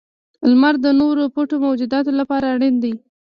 • لمر د نورو پټو موجوداتو لپاره اړین دی.